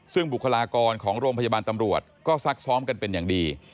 ซึ่งบุคลากรของโรงพยาบาลตำรวจก็ซักซ้อมกันเป็นอย่างดี